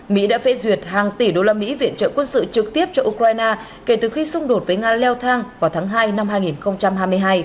mỹ đã phê duyệt hàng tỷ đô la mỹ viện trợ quân sự trực tiếp cho ukraine kể từ khi xung đột với nga leo thang vào tháng hai năm hai nghìn hai mươi hai